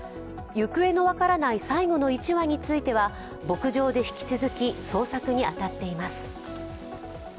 行方の分からない最後の１羽については、牧場で引き続き捜索に当たっています。